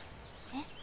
えっ？